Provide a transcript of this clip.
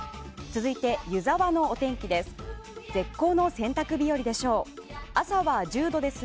続いて、湯沢のお天気です。